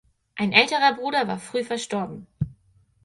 Ein älterer Bruder war früh verstorben.